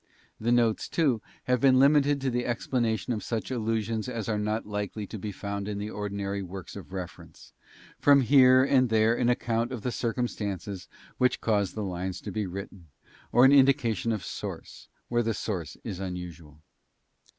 The notes, too, have been limited to the explanation of such allusions as are not likely to be found in the ordinary works of reference, with here and there an account of the circumstances which caused the lines to be written, or an indication of source, where the source is unusual.